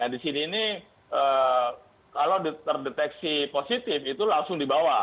nah disini ini kalau terdeteksi positif itu langsung dibawa